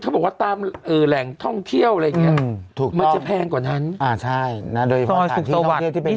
เจ๊หลงบอกเมื่อเช้าซื้อใบละ๑๒๐ปี